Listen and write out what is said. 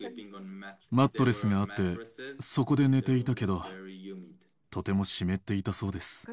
マットレスがあって、そこで寝ていたけど、とても湿っていたそうです。